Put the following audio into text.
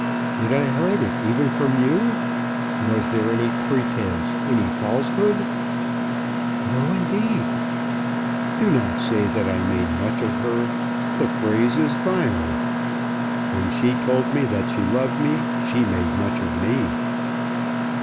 Did I hide it even from you? Was there any pretence, any falsehood?" "No, indeed." "Do not say that I made much of her. The phrase is vile. When she told me that she loved me, she made much of me."